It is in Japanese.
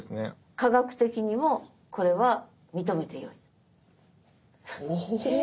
科学的にもこれは認めてよい？へえ。